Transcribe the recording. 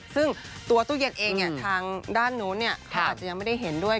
ซึ่งตัวตู้เย็นเองทางด้านนู้นเขาอาจจะยังไม่ได้เห็นด้วย